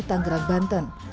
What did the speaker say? di tanggerang banten